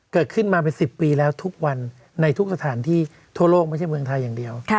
เกิดขึ้นมาเป็น๑๐ปีแล้วทุกวันในทุกสถานที่ทั่วโลกไม่ใช่เมืองไทยอย่างเดียว